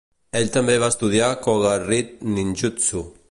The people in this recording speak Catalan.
Ell també va estudiar Koga Ryt Ninjutsu.